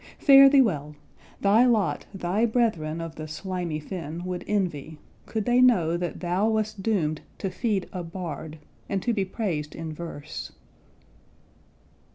Fare thee well! Thy lot thy brethern of the slimy fin Would envy, could they know that thou wast doom'd To feed a bard, and to be prais'd in verse.